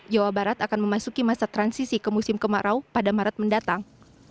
jawa barat akan memasuki masa transisi ke musim kemarau pada maret mendatang